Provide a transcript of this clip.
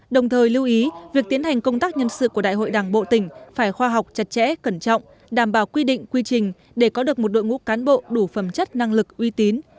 đồng thời lưu ý việc tiến hành công tác nhân sự của đại hội đảng bộ tỉnh phải khoa học chặt chẽ cẩn trọng đảm bảo quy định quy trình để có được một đội ngũ cán bộ đủ phẩm chất năng lực uy tín